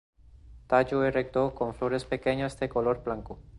Tallo erecto con flores pequeñas de color blanco.